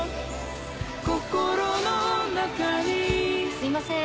すいません。